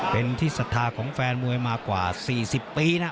เป็นที่ศรัทธาของแฟนมวยมากว่า๔๐ปีนะ